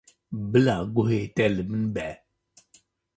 Bila guhê te li min be.